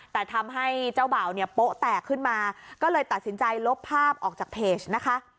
แต่ทำให้เจ้าบ่าวเนี่ยโป๊ะแตกขึ้นมาก็เลยตัดสินใจลบภาพออกจากเพจนะคะ